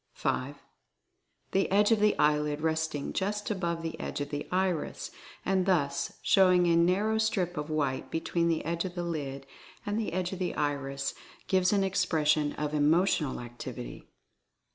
5. The edge of the eyelid resting just above the edge of the iris, and thus showing a narrow strip of white between the edge of the lid and the edge of the iris, gives an expression of Emotional Activity.